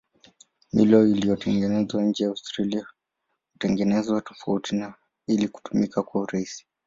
Milo iliyotengenezwa nje ya Australia hutengenezwa tofauti ili kutumika kwa urahisi.